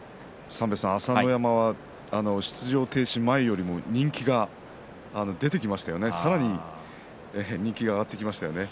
朝乃山は出場停止前よりも、さらに人気が上がってきましたね。